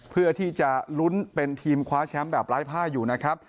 เพื่อที่จะลุ้นเป็นทีมคว้าแชมป์แบบไร้ผ้าอยู่นะครับ